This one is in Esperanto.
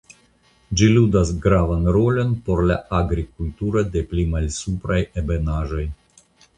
Ĝi ludas gravan rolon por la agrikulturo de pli malsupraj ebenaĵoj.